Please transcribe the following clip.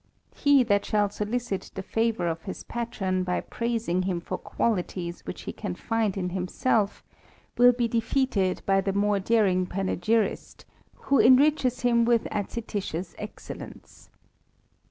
He that shall solicit the favour of his patron by praising him for qualities which be can find in himself, will be defeated by the ; daring panegyrist who enriches him with adscititious ellence.